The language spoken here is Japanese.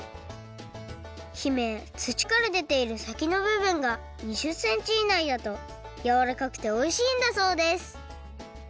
姫土から出ている先の部分が２０ｃｍ以内だとやわらかくておいしいんだそうです。